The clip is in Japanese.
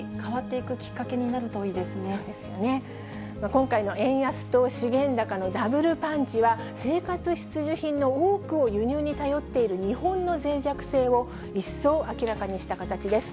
今回の円安と資源高のダブルパンチは、生活必需品の多くを輸入に頼っている日本のぜい弱性を一層明らかにした形です。